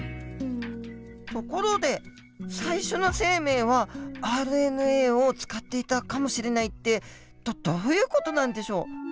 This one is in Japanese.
ところで最初の生命はＲＮＡを使っていたかもしれないってどういう事なんでしょう。